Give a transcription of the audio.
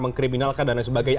mengkriminalkan dan lain sebagainya